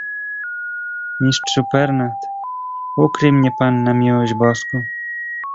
"„Mistrzu Pernat, ukryj mnie pan na miłość Boską."